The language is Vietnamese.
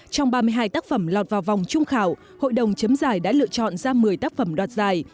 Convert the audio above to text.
trong ba mươi hai tác phẩm lọt vào vòng trung khảo hội đồng chấm giải đã lựa chọn ra một mươi tác phẩm đoạt giải